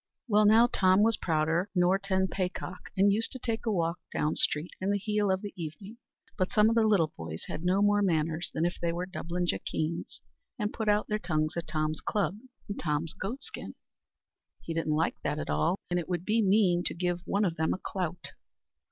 Well, now, Tom was prouder nor ten paycock, and used to take a walk down street in the heel of the evening; but some o' the little boys had no more manners than if they were Dublin jackeens, and put out their tongues at Tom's club and Tom's goat skin. He didn't like that at all, and it would be mean to give one of them a clout.